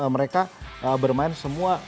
mereka bermain semua